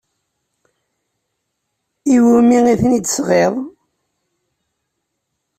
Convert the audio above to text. I wumi ay t-id-tesɣiḍ?